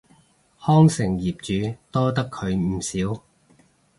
康城業主多得佢唔少